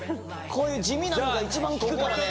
こういう地味なのが一番効くからね